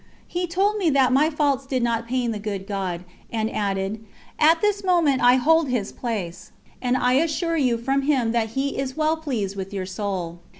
He told me that my faults did not pain the Good God, and added: "At this moment I hold His place, and I assure you from Him that He is well pleased with your soul."